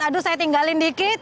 aduh saya tinggalin dikit